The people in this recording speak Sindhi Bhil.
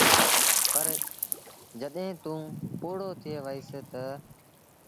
پر جڏهيݩٚ توٚنٚ پوڙهو ٿئي وهيٚس تا